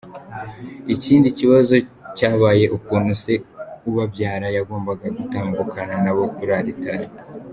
Ikindi kibazo cyabaye ukuntu se ubabyara yagombaga gutambukana nabo kuri altar.